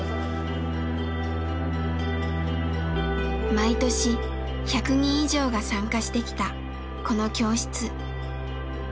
毎年１００人以上が参加してきたこの教室。